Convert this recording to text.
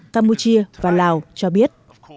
campuchia và lào cho biết